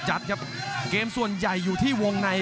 รับทราบบรรดาศักดิ์